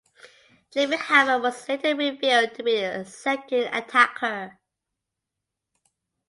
Jimmy Havoc was later revealed to be the second attacker.